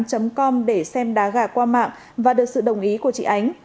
chú tệ xem đá gà qua mạng và được sự đồng ý của chị ánh